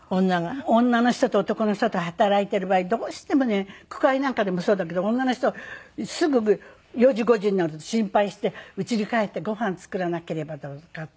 女の人と男の人と働いてる場合どうしてもね句会なんかでもそうだけど女の人はすぐ４時５時になると心配して「うちに帰ってごはん作らなければ」とかって。